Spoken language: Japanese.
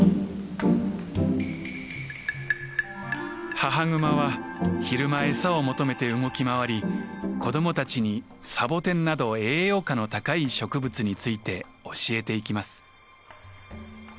母グマは昼間餌を求めて動き回り子どもたちにサボテンなど栄養価の高い植物について教えていきます。